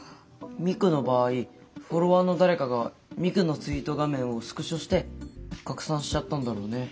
ミクの場合フォロワーの誰かがミクのツイート画面をスクショして拡散しちゃったんだろうね。